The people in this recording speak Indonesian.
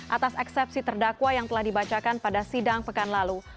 atas eksepsi terdakwa yang telah dibacakan pada sidang pekan lalu